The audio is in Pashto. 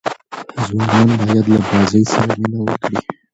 ځوانان باید له بازۍ سره مینه وکړي.